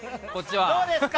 どうですか？